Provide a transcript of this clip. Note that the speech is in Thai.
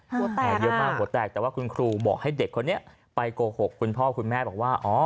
หัวแตกเยอะมากหัวแตกแต่ว่าคุณครูบอกให้เด็กคนนี้ไปโกหกคุณพ่อคุณแม่บอกว่า